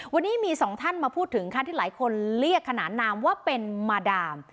วันนี้มีสองท่านมาพูดถึงค่ะที่หลายคนเรียกขนานนามว่าเป็นมาดาม